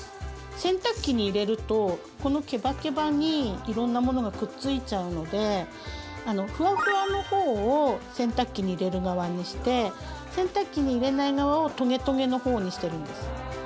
洗濯機に入れるとこのケバケバにいろんなものがくっついちゃうのでフワフワの方を洗濯機に入れる側にして洗濯機に入れない側をトゲトゲの方にしてるんです。